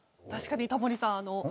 確かにタモリさんあの。